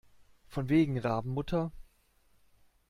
Von wegen Rabenmutter!